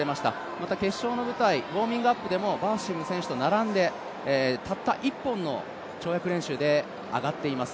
また決勝の舞台、ウォーミングアップでもバーシム選手と並んでたった１本の跳躍練習で上がっています。